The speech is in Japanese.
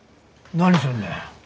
何すんだよ？